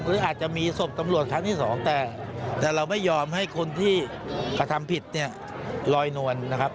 หรืออาจจะมีศพตำรวจครั้งที่สองแต่เราไม่ยอมให้คนที่กระทำผิดเนี่ยลอยนวลนะครับ